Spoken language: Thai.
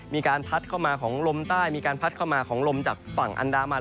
มีการพัดเข้ามาของลมใต้มีการพัดเข้ามาของลมจากฝั่งอันดามัน